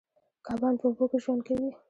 کبان په اوبو کې ژوند کوي